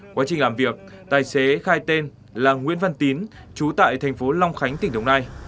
quá trình làm việc tài xế khai tên là nguyễn văn tín trú tại thành phố long khánh tỉnh đồng nai